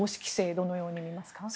どのように見ますか？